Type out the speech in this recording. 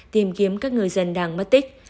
tìm kiếm các người dân đang mất tích